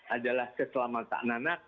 adalah keselamatan anak anak